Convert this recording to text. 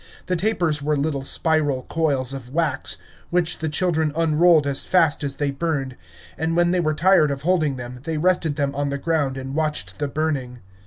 The tapers were little spiral coils of wax, which the children unrolled as fast as they burned, and when they were tired of holding them, they rested them on the ground and watched the burning.